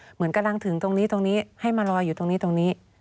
เหมือนกำลังถึงตรงนี้ตรงนี้ให้มาลอยอยู่ตรงนี้ตรงนี้